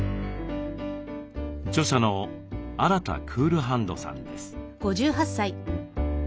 著者のアラタ・クールハンドさんです。